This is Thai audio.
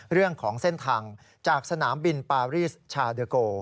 เรื่องของเส้นทางจากสนามบินปารีสชาเดอร์โก